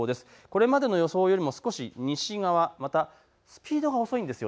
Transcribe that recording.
これまでの予想よりも少し西側、またスピードが遅いんです。